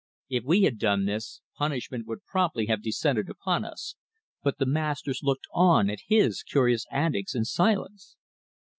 If we had done this punishment would promptly have descended upon us, but the masters looked on at his curious antics in silence.